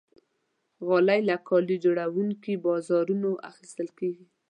غالۍ له کالي جوړونکي بازارونو اخیستل کېږي.